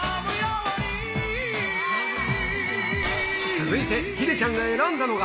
続いて、ヒデちゃんが選んだのが。